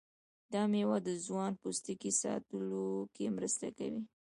دا میوه د ځوان پوستکي ساتلو کې مرسته کوي.